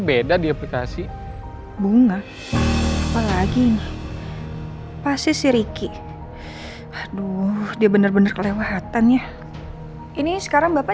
beda di aplikasi bunga lagi ini pasti si ricky aduh dia bener bener kelewatannya ini sekarang bapak